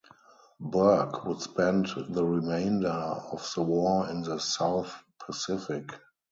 Burke would spend the remainder of the war in the South Pacific.